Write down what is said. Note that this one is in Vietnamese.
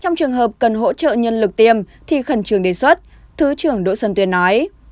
trong trường hợp cần hỗ trợ nhân lực tiêm thì khẩn trương đề xuất thứ trưởng đỗ xuân tuyên nói